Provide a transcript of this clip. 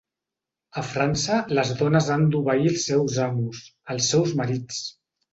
A França les dones han d'obeir als seus amos, els seus marits.